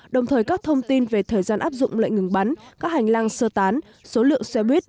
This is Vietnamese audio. đồng thời các thông tin về thời gian áp dụng lệnh ngừng bắn các hành lang sơ tán số lượng xe buýt